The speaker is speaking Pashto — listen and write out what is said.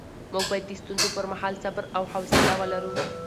موږ باید د ستونزو پر مهال صبر او حوصله ولرو